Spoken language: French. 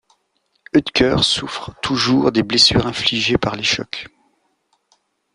Oetker souffre toujours des blessures infligées par les chocs.